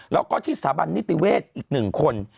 แล้วก็ที่สถาบันนิติเวศอีก๑คน